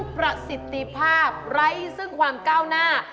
ประสิทธิภาพไร้ซึ่งความก้าวหน้า